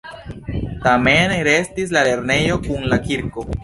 Tamen restis la lernejo kun la kirko.